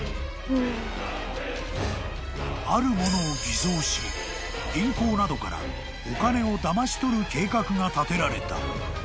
［あるものを偽造し銀行などからお金をだましとる計画が立てられた］